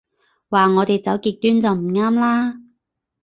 話我哋走極端就唔啱啦